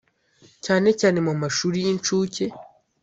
cyane cyane mu mashuri y’incuke.